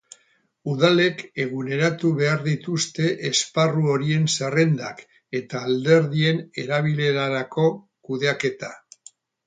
Udalek eguneratu behar dituzte esparru horien zerrendak eta alderdien erabilerarako kudeaketa.